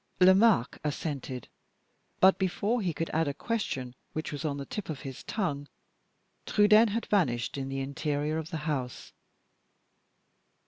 Lomaque assented; but before he could add a question which was on the tip of his tongue, Trudaine had vanished in the interior of the house.